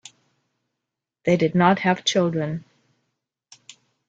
They did not have children.